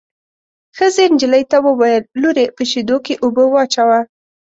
ښځې نجلۍ ته وویل: لورې په شېدو کې اوبه واچوه.